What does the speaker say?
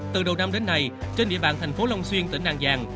từ đầu năm đến nay trên địa bàn thành phố long xuyên tỉnh an giang